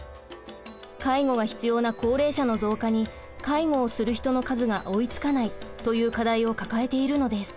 介護が必要な高齢者の増加に介護をする人の数が追いつかないという課題を抱えているのです。